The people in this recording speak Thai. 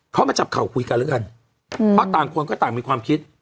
เขามาจับเข่าคุยกันแล้วกันเพราะต่างคนก็ต่างมีความคิด